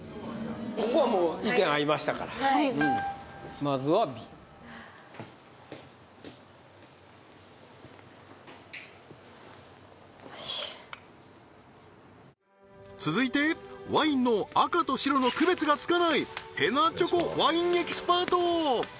ここはもう意見合いましたからはいまずはＢ続いてワインの赤と白の区別がつかないへなちょこワインエキスパート